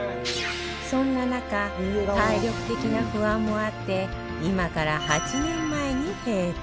そんな中体力的な不安もあって今から８年前に閉店